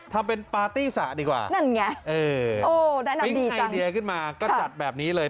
ทำเป็นปาร์ตี้สะดีกว่าพิ้งไอเดียขึ้นมาก็จัดแบบนี้เลย